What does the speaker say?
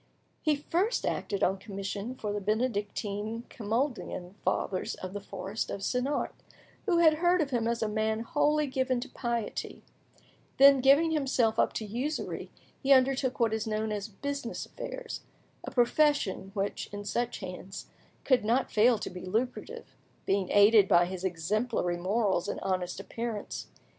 He first acted on commission for the Benedictine Camalduian fathers of the forest of Senart, who had heard of him as a man wholly given to piety; then, giving himself up to usury, he undertook what is known as "business affairs," a profession which, in such hands, could not fail to be lucrative, being aided by his exemplary morals and honest appearance.